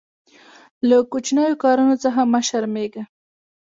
له کوچنیو کارونو څخه مه شرمېږه.